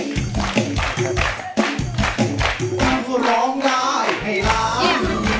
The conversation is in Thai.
๑๘นาฬิกา๒๐นาทีทางไทยรัสทีวีช่อง๓๒แห่งนี้